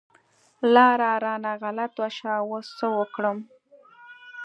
لاره رانه غلطه شوه، اوس څه وکړم؟